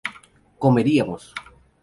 comeríamos